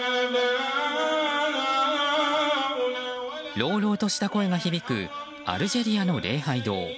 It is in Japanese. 朗々とした声が響くアルジェリアの礼拝堂。